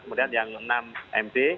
kemudian yang enam md